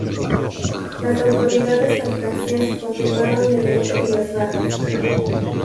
Las autoridades abjasias confirmaron el hecho y las bajas.